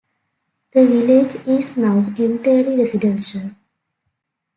The village is now entirely residential.